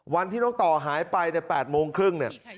วันที่น้องต่อหายไปใน๘โมงครึ่งเนี่ย